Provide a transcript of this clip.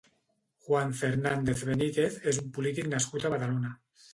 Juan Fernández Benítez és un polític nascut a Badalona.